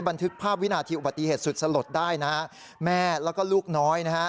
บันทึกภาพวินาทีอุบัติเหตุสุดสลดได้นะฮะแม่แล้วก็ลูกน้อยนะฮะ